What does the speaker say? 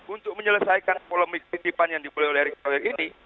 untuk menyelesaikan polemik titipan yang dibuat oleh erick thohir ini